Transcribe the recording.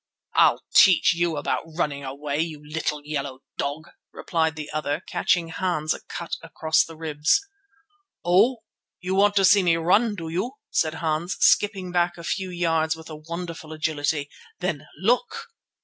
"I'll teach you about running away, you little yellow dog," replied the other, catching Hans a cut across the ribs. "Oh! you want to see me run, do you?" said Hans, skipping back a few yards with wonderful agility. "Then look!"